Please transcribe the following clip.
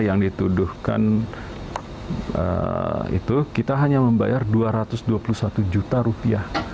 yang dituduhkan itu kita hanya membayar dua ratus dua puluh satu juta rupiah